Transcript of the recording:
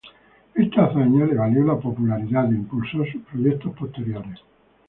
Esta hazaña, le valió la popularidad e impulsó sus proyectos posteriores.